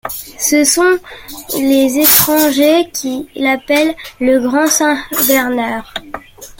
Ce sont les étrangers qui l'appellent le Grand-Saint-Bernard.